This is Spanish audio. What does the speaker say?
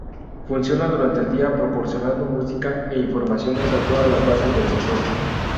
Funciona durante el día proporcionando música e informaciones a todas las bases del sector.